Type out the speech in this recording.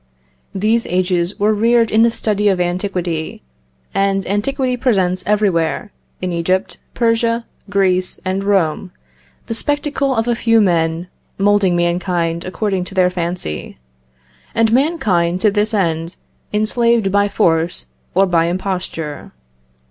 These ages were reared in the study of antiquity, and antiquity presents everywhere, in Egypt, Persia, Greece, and Rome, the spectacle of a few men moulding mankind according to their fancy, and mankind to this end enslaved by force or by imposture.